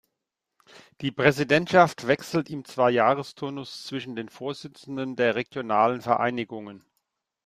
Die Präsidentschaft wechselt im Zweijahresturnus zwischen den Vorsitzenden der regionalen Vereinigungen.